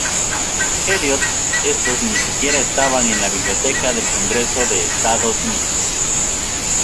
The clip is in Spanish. Elliott, estos ni siquiera estaban en la Biblioteca del Congreso de Estados Unidos.